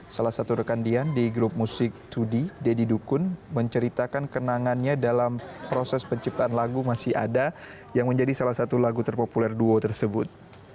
salah satu rekan dian di grup musik dua d deddy dukun menceritakan kenangannya dalam proses penciptaan lagu masih ada yang menjadi salah satu lagu terpopuler duo tersebut